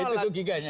ya itu juga giganya